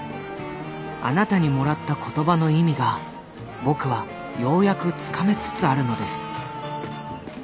あなたにもらった言葉の意味が僕はようやくつかめつつあるのです」。